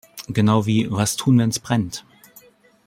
Genau wie "Was tun, wenn’s brennt?